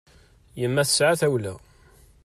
Yemma tesɛa tawla.